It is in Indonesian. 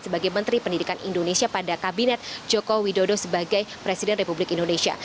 sebagai menteri pendidikan indonesia pada kabinet joko widodo sebagai presiden republik indonesia